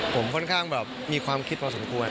ผมค่อนข้างแบบมีความคิดพอสมควร